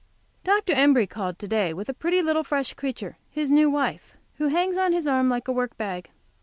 Dr. Embury called to day, with a pretty little fresh creature, his new wife, who hangs on his arm like a work bag.